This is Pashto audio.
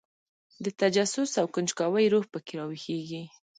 د تجسس او کنجکاوۍ روح په کې راویښېږي.